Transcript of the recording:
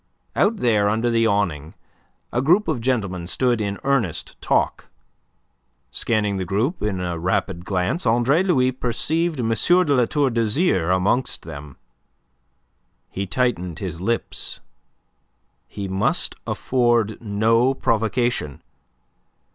Out there under the awning a group of gentlemen stood in earnest talk. Scanning the group in a rapid glance, Andre Louis perceived M. de La Tour d'Azyr amongst them. He tightened his lips. He must afford no provocation.